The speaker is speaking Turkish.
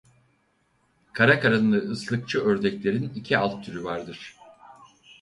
Kara karınlı ıslıkçı ördeklerin iki alt türü vardır.